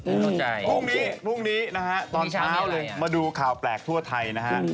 คุณพรุ่งนี้ตอนเช้าเลยมาดูข่าวแปลกทั่วไทยนะคะ